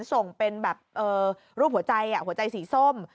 ส่งเป็นแบบรูปหัวใจหัวใจสีส้ม